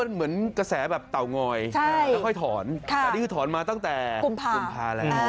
มันเหมือนกระแสแบบเตางอยค่อยถอนแต่นี่คือถอนมาตั้งแต่กุมภาแล้ว